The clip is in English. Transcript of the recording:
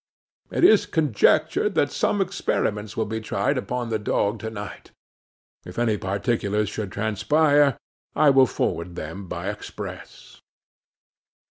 It is conjectured that some experiments will be tried upon the dog to night; if any particulars should transpire, I will forward them by express.